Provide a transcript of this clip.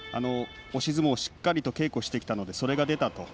押し相撲をしっかりと稽古してきたので、それが出た。